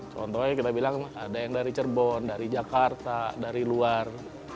contohnya kita bilang ada yang dari cirebon dari jakarta dari luar